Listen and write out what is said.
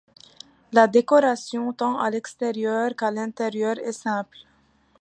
La décoration, tant à l'extérieur qu'à l'intérieur, est simple.